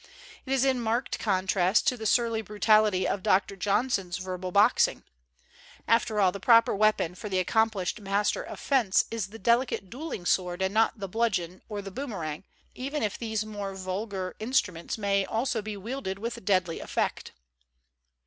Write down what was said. It is in marked contrast to the surly brutality of Doctor John son's verbal boxing. After all, the proper weapon for the accomplished master of fence is the delicate duelling sword and not the bludgeon or the boomerang, even if these more vulgar in struments may also be wielded with deadly effect.